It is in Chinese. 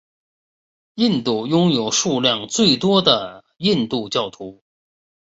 印度拥有数量最多印度教徒。